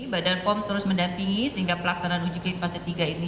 badan pom terus mendampingi sehingga pelaksanaan uji klinik fase tiga ini